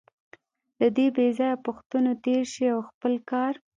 له دې بېځایه پوښتنو تېر شئ او خپل کار.